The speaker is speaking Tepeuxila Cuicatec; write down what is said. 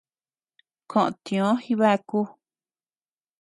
Koʼo tiö Jibaku.